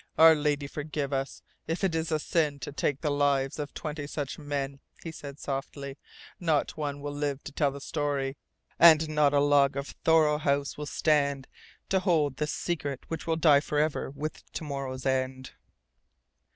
"Our Lady forgive us, if it is a sin to take the lives of twenty such men," he said softly. "Not one will live to tell the story. And not a log of Thoreau House will stand to hold the secret which will die forever with to morrow's end."